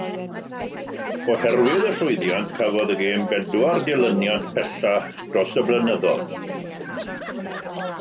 Oherwydd y llwyddiant, cafodd y gêm bedwar dilyniant pellach dros y blynyddoedd.